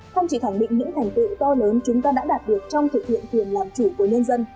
không chỉ khẳng định những thành tựu to lớn chúng ta đã đạt được trong thực hiện quyền làm chủ của nhân dân